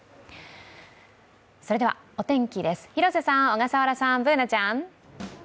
お天気です、広瀬さん、小笠原さん、Ｂｏｏｎａちゃん。